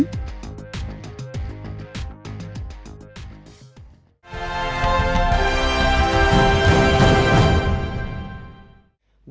năng lượng tái tạo